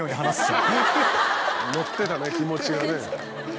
乗ってたね気持ちがね。